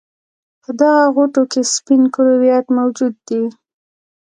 په دغه غوټو کې سپین کرویات موجود دي.